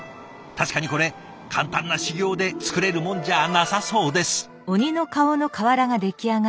確かにこれ簡単な修業で作れるもんじゃあなさそうです。